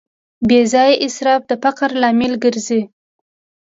بېځایه اسراف د فقر لامل ګرځي.